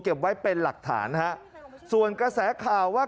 ไว้เป็นหลักฐานฮะส่วนกระแสข่าวว่า